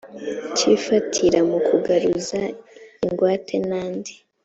cy ifatira mu kugaruza ingwate n andi